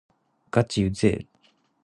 がちうぜぇ